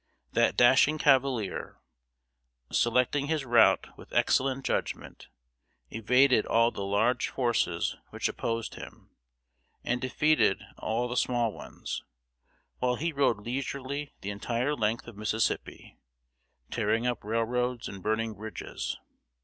That dashing cavalier, selecting his route with excellent judgment, evaded all the large forces which opposed him, and defeated all the small ones, while he rode leisurely the entire length of Mississippi, tearing up railroads and burning bridges.